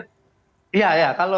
kalau kita sebut nama